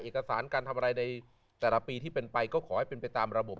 เอกสารการทำอะไรในแต่ละปีที่เป็นไปก็ขอให้เป็นไปตามระบบ